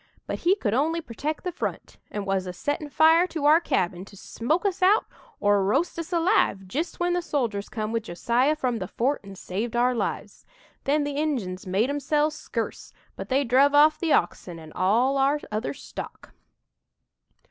but he could only protect the front and was a settin' fire to our cabin to smoke us out or roast us alive, jist when the soldiers come with Josiah from the fort and saved our lives. Then the Injuns made 'emselves scurce but they druv off the oxen and all our other stock.